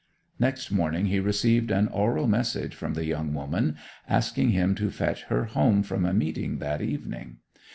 Next morning he received an oral message from the young woman, asking him to fetch her home from a meeting that evening.